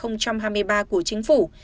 năm hai nghìn hai mươi ba của chính phủ